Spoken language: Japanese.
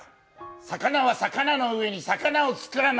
魚は魚の上に魚を作らない。